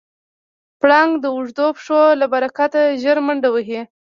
پړانګ د اوږدو پښو له برکته ژر منډه وهي.